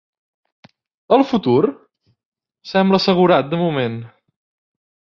El futur sembla assegurat de moment.